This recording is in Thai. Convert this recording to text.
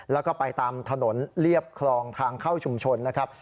แล้วก็ไปตามถนนเรียบคลองทางเข้าชุมชนนะครับ